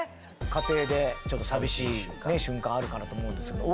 家庭でちょっと寂しい瞬間あるかなと思うんですけど